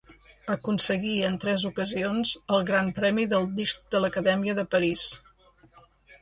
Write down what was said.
Aconseguí en tres ocasions el gran premi del Disc de l'Acadèmia de París.